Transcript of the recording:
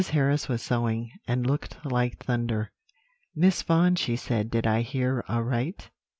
Harris was sewing, and looked like thunder. "'Miss Vaughan,' she said, 'did I hear aright?